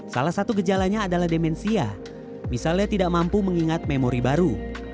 salah satu gejalanya adalah demensia misalnya tidak mampu mengingat memori baru